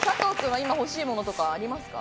今欲しいものありますか？